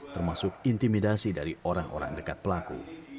termasuk intimidasi dari orang orang dekat pelaku